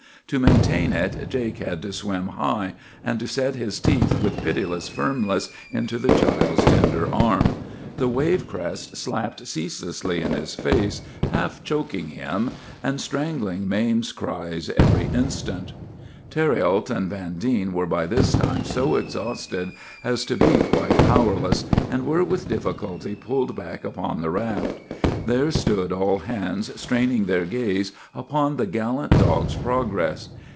To maintain it, Jake had to swim high, and to set his teeth with pitiless firmness into the child's tender arm. The wave crests slapped ceaselessly in his face, half choking him, and strangling Mame's cries every instant. "Thériault and Vandine were by this time so exhausted as to be quite powerless, and were with difficulty pulled back upon the raft. There stood all hands straining their gaze upon the gallant dog's progress.